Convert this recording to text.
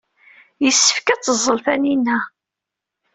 Yessefk ad teẓẓel Tanina.